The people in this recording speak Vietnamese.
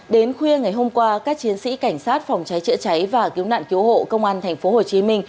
đến khuya ngày hôm qua các chiến sĩ cảnh sát phòng cháy chữa cháy và cứu nạn cứu hộ công an tp hcm